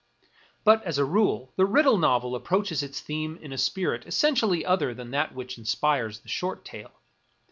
But, as a rule, the riddle novel approaches its theme in a spirit essentially other than that which inspires the short tale.